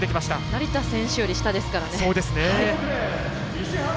成田選手より下ですからね。